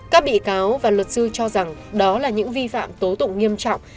các bị cáo và luật sư cho rằng đó là những vi phạm tố tụng nghiêm trọng